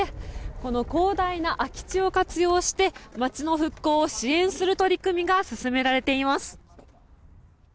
この広大な空き地を活用して町の復興を支援する取り組みが進められています。